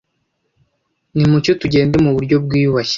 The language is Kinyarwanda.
nimucyo tugende mu buryo bwiyubashye,